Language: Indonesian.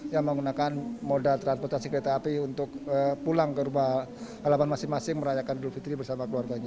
yang menggunakan moda transportasi kereta api untuk pulang ke rumah halaman masing masing merayakan dulfitri bersama keluarganya